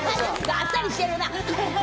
あっさりしてるな。